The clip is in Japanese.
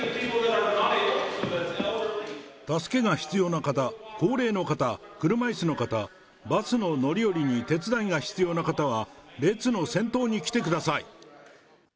助けが必要な方、高齢の方、車いすの方、バスの乗り降りに手伝いが必要な方は、列の先頭に来てください。